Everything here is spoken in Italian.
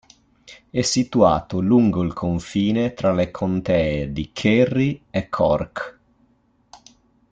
È situato lungo il confine tra le contee di Kerry e Cork.